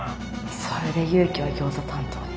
それで祐樹はギョーザ担当に。